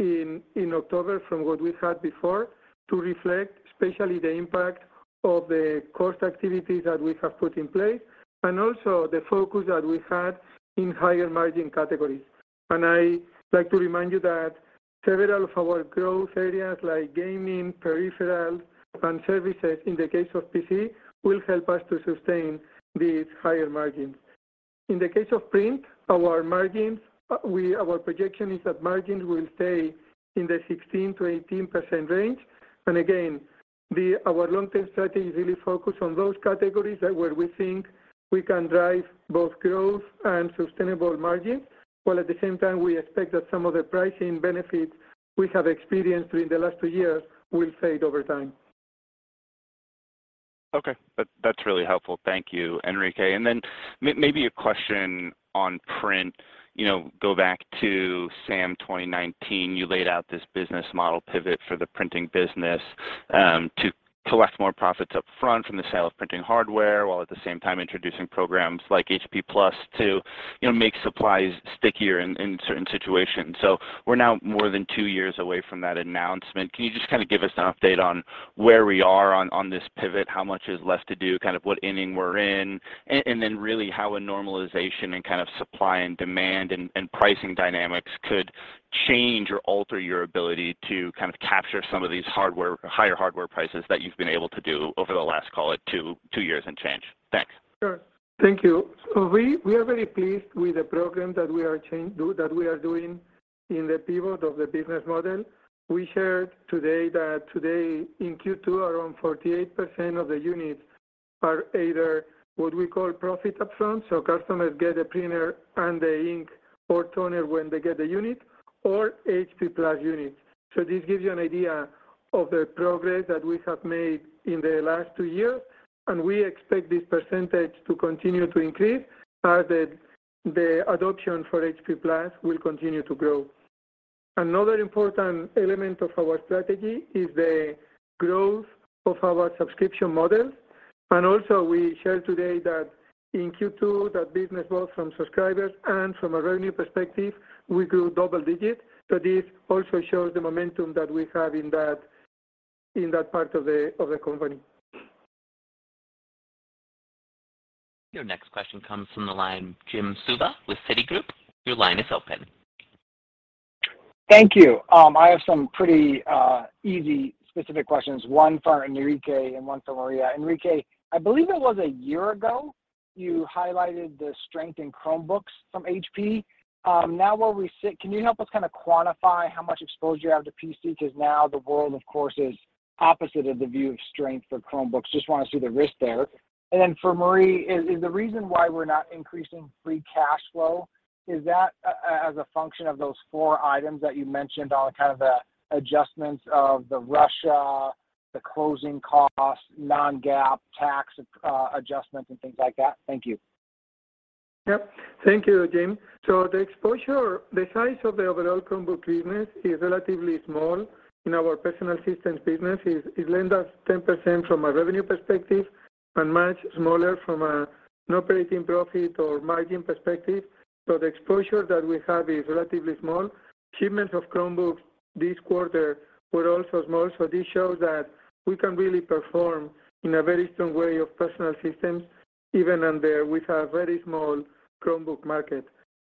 in October from what we had before to reflect especially the impact of the cost activities that we have put in place and also the focus that we had in higher margin categories. I like to remind you that several of our growth areas like gaming, peripheral and services in the case of PC will help us to sustain these higher margins. In the case of Print, our margins, our projection is that margins will stay in the 16%-18% range. Again, our long-term strategy is really focused on those categories that where we think we can drive both growth and sustainable margins, while at the same time we expect that some of the pricing benefits we have experienced during the last two years will fade over time. Okay. That's really helpful. Thank you, Enrique. Then maybe a question on print, you know, go back to SAM 2019, you laid out this business model pivot for the printing business, to collect more profits up front from the sale of printing hardware, while at the same time introducing programs like HP+ to, you know, make supplies stickier in certain situations. We're now more than two years away from that announcement. Can you just kind of give us an update on where we are on this pivot? How much is left to do, kind of what inning we're in, and then really how a normalization and kind of supply and demand and pricing dynamics could change or alter your ability to kind of capture some of these higher hardware prices that you've been able to do over the last, call it two years and change? Thanks. Sure. Thank you. We are very pleased with the program that we are doing in the pivot of the business model. We shared today that today in Q2, around 48% of the units are either what we call profit upfront, so customers get a printer and the ink or toner when they get the unit or HP+ units. This gives you an idea of the progress that we have made in the last two years, and we expect this percentage to continue to increase as the adoption for HP+ will continue to grow. Another important element of our strategy is the growth of our subscription models. Also we shared today that in Q2, that business growth from subscribers and from a revenue perspective, we grew double digits. This also shows the momentum that we have in that part of the company. Your next question comes from the line of Jim Suva with Citigroup. Your line is open. Thank you. I have some pretty easy specific questions. One for Enrique and one for Marie. Enrique, I believe it was a year ago, you highlighted the strength in Chromebooks from HP. Now where we sit, can you help us kind of quantify how much exposure you have to PC? Because now the world, of course, is opposite of the view of strength for Chromebooks. Just want to see the risk there. Then for Marie, is the reason why we're not increasing free cash flow as a function of those four items that you mentioned, all kind of the adjustments of the Russia, the closing costs, non-GAAP, tax adjustments and things like that? Thank you. Yep. Thank you, Jim. The exposure, the size of the overall Chromebook business is relatively small in our personal systems business. It lends us 10% from a revenue perspective and much smaller from an operating profit or margin perspective. The exposure that we have is relatively small. Shipments of Chromebooks this quarter were also small. This shows that we can really perform in a very strong way in personal systems, even with a very small Chromebook market.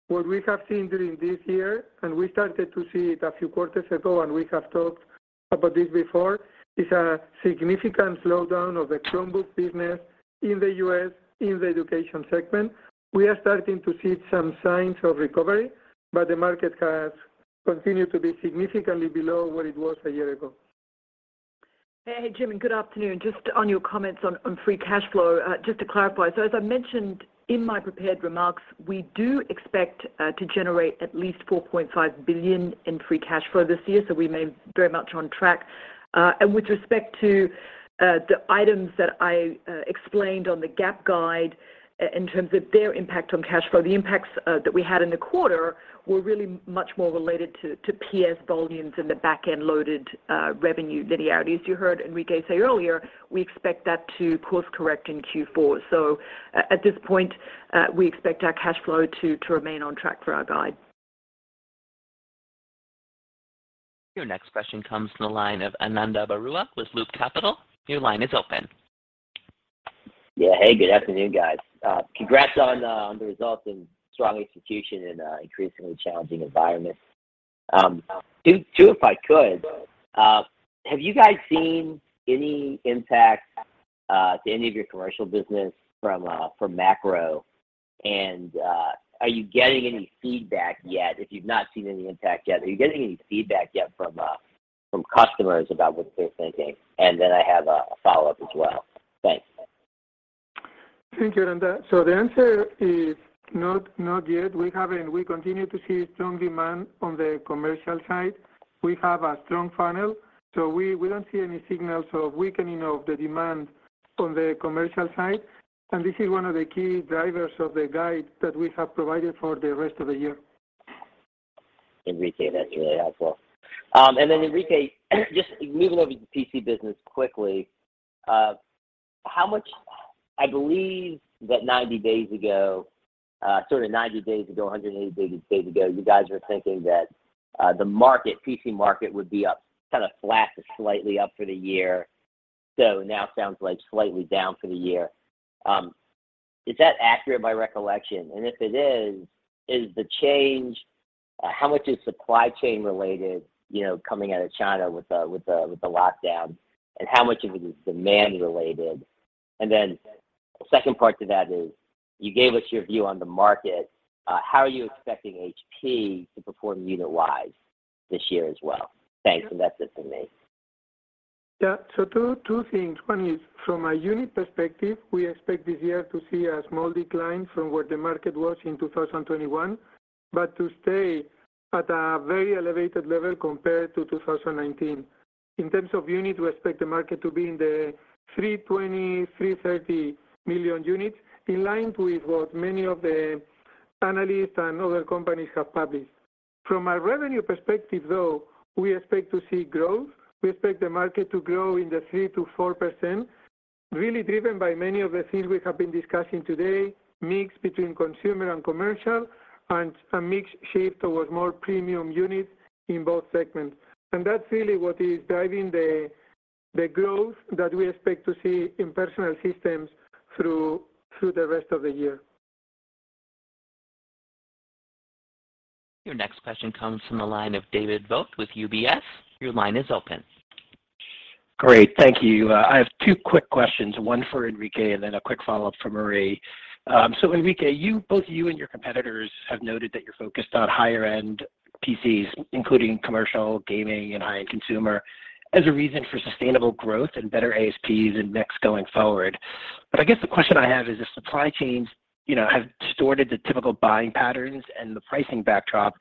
What we have seen during this year, and we started to see it a few quarters ago, and we have talked about this before, is a significant slowdown of the Chromebook business in the U.S. in the education segment. We are starting to see some signs of recovery, but the market has continued to be significantly below where it was a year ago. Hey, Jim, and good afternoon. Just on your comments on free cash flow, just to clarify. As I mentioned in my prepared remarks, we do expect to generate at least $4.5 billion in free cash flow this year. We remain very much on track. With respect to the items that I explained on the GAAP guide in terms of their impact on cash flow, the impacts that we had in the quarter were really much more related to PS volumes and the back-end loaded revenue linearity. As you heard Enrique say earlier, we expect that to course correct in Q4. At this point, we expect our cash flow to remain on track for our guide. Your next question comes from the line of Ananda Baruah with Loop Capital. Your line is open. Yeah. Hey, good afternoon, guys. Congrats on the results and strong execution in an increasingly challenging environment. Two if I could. Have you guys seen any impact to any of your commercial business from macro? Are you getting any feedback yet, if you've not seen any impact yet, are you getting any feedback yet from customers about what they're thinking? I have a follow-up as well. Thanks. Thank you, Ananda. The answer is not yet. We have and we continue to see strong demand on the commercial side. We have a strong funnel, so we don't see any signals of weakening of the demand on the commercial side. This is one of the key drivers of the guide that we have provided for the rest of the year. Enrique, that's really helpful. Enrique, just moving over to the PC business quickly, how much—I believe that 90 days ago, sort of 90 days ago, 180 days ago, you guys were thinking that the PC market would be up, kind of flat to slightly up for the year. Now it sounds like slightly down for the year. Is that accurate by recollection? And if it is the change how much is supply chain related, you know, coming out of China with the lockdown, and how much of it is demand related? Second part to that is you gave us your view on the market. How are you expecting HP to perform unit-wise this year as well? Thanks. That's it for me. Yeah. Two things. One is from a unit perspective, we expect this year to see a small decline from where the market was in 2021, but to stay at a very elevated level compared to 2019. In terms of unit, we expect the market to be in the 320-330 million units, in line with what many of the analysts and other companies have published. From a revenue perspective, though, we expect to see growth. We expect the market to grow in the 3%-4%, really driven by many of the things we have been discussing today, mix between consumer and commercial, and a mix shift towards more premium units in both segments. That's really what is driving the growth that we expect to see in personal systems through the rest of the year. Your next question comes from the line of David Vogt with UBS. Your line is open. Great. Thank you. I have two quick questions, one for Enrique and then a quick follow-up for Marie. Enrique, both you and your competitors have noted that you're focused on higher-end PCs, including commercial, gaming, and high-end consumer, as a reason for sustainable growth and better ASPs and mix going forward. I guess the question I have is if supply chains, you know, have distorted the typical buying patterns and the pricing backdrop,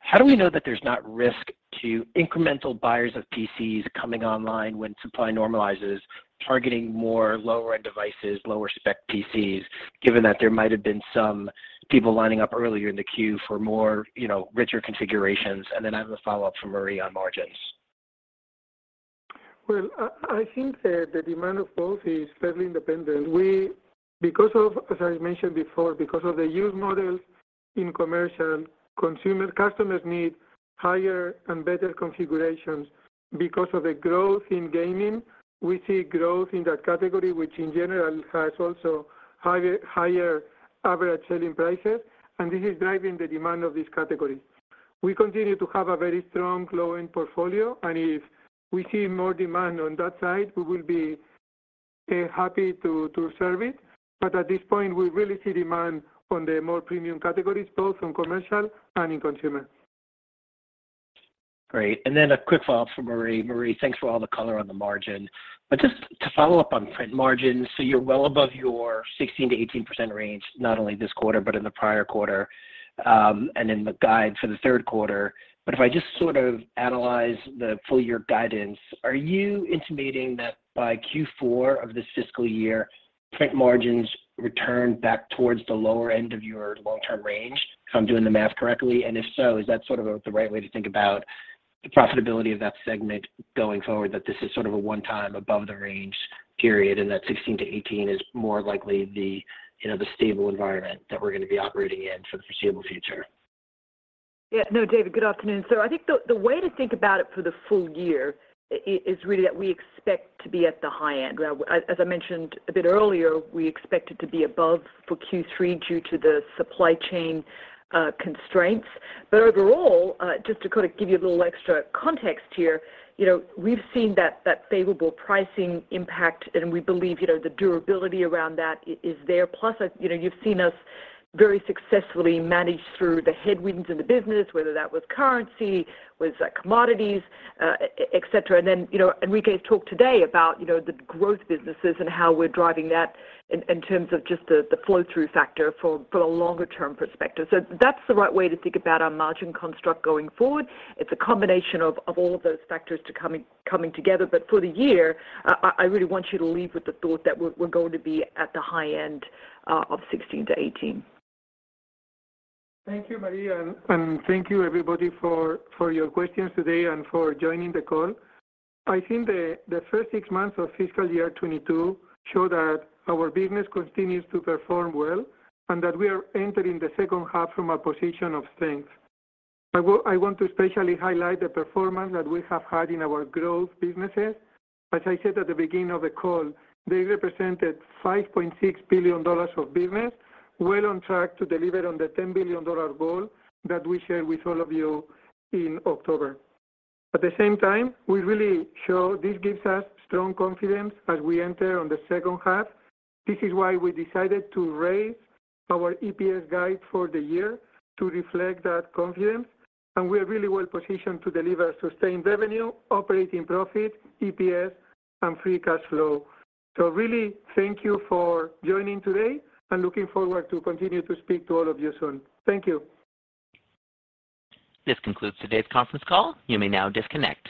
how do we know that there's not risk to incremental buyers of PCs coming online when supply normalizes, targeting more lower-end devices, lower-spec PCs, given that there might have been some people lining up earlier in the queue for more, you know, richer configurations? I have a follow-up for Marie on margins. Well, I think the demand of both is fairly independent. Because of, as I mentioned before, because of the use models in commercial and consumer, customers need higher and better configurations. Because of the growth in gaming, we see growth in that category, which in general has also higher average selling prices, and this is driving the demand of these categories. We continue to have a very strong low-end portfolio, and if we see more demand on that side, we will be happy to serve it. At this point, we really see demand on the more premium categories, both on commercial and in consumer. Great. Then a quick follow-up for Marie. Marie, thanks for all the color on the margin. Just to follow up on print margins, you're well above your 16%-18% range, not only this quarter, but in the prior quarter, and in the guide for the third quarter. If I just sort of analyze the full year guidance, are you intimating that by Q4 of this fiscal year, print margins return back towards the lower end of your long-term range, if I'm doing the math correctly? If so, is that sort of the right way to think about the profitability of that segment going forward, that this is sort of a one-time above the range period, and that 16%-18% is more likely the, you know, the stable environment that we're gonna be operating in for the foreseeable future? Yeah. No. David, good afternoon. I think the way to think about it for the full year is really that we expect to be at the high end. Now, as I mentioned a bit earlier, we expect it to be above for Q3 due to the supply chain constraints. Overall, just to kind of give you a little extra context here, you know, we've seen that favorable pricing impact, and we believe, you know, the durability around that is there. Plus, you know, you've seen us very successfully manage through the headwinds in the business, whether that was currency, commodities, etc. Then, you know, Enrique's talked today about, you know, the growth businesses and how we're driving that in terms of just the flow-through factor for a longer term perspective. That's the right way to think about our margin construct going forward. It's a combination of all of those factors, too, coming together. For the year, I really want you to leave with the thought that we're going to be at the high end of 16%-18%. Thank you, Marie, and thank you, everybody, for your questions today and for joining the call. I think the first six months of fiscal year 2022 show that our business continues to perform well and that we are entering the second half from a position of strength. I want to especially highlight the performance that we have had in our growth businesses. As I said at the beginning of the call, they represented $5.6 billion of business, well on track to deliver on the $10 billion goal that we shared with all of you in October. At the same time, we really see this gives us strong confidence as we enter the second half. This is why we decided to raise our EPS guide for the year to reflect that confidence, and we are really well positioned to deliver sustained revenue, operating profit, EPS, and free cash flow. Really thank you for joining today and looking forward to continue to speak to all of you soon. Thank you. This concludes today's conference call. You may now disconnect.